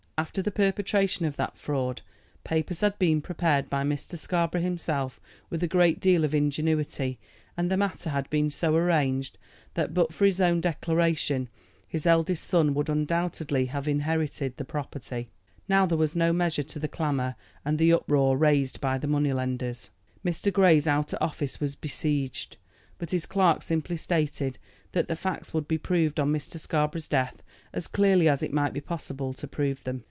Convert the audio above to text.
After the perpetration of that fraud papers had been prepared by Mr. Scarborough himself with a great deal of ingenuity, and the matter had been so arranged that, but for his own declaration, his eldest son would undoubtedly have inherited the property. Now there was no measure to the clamor and the uproar raised by the money lenders. Mr. Grey's outer office was besieged, but his clerk simply stated that the facts would be proved on Mr. Scarborough's death as clearly as it might be possible to prove them.